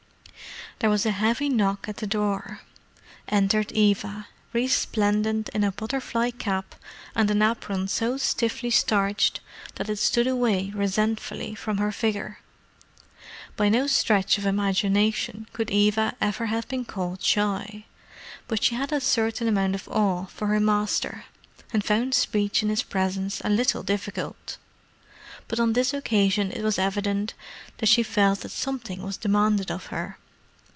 There was a heavy knock at the door. Entered Eva, resplendent in a butterfly cap and an apron so stiffly starched that it stood away resentfully from her figure. By no stretch of imagination could Eva ever have been called shy; but she had a certain amount of awe for her master, and found speech in his presence a little difficult. But on this occasion it was evident that she felt that something was demanded of her.